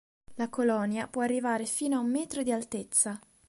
La colonia può arrivare fino ad un metro di altezza.